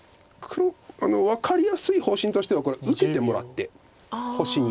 分かりやすい方針としてはこれ受けてもらって星に。